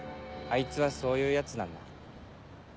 いつはそういうヤツなんだ。